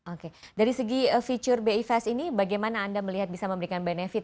oke dari segi fitur bi fast ini bagaimana anda melihat bisa memberikan benefit